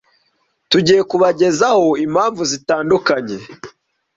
tugiye kubagezaho impamvu zitandukanye